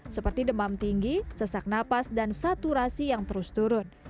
seperti demam tinggi sesak napas dan saturasi yang terus turun